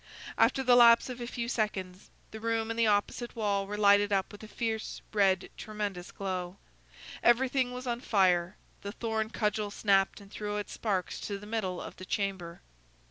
After the lapse of a few seconds, the room and the opposite wall were lighted up with a fierce, red, tremulous glow. Everything was on fire; the thorn cudgel snapped and threw out sparks to the middle of the chamber.